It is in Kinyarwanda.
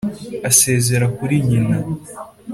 Asezera kuri nyina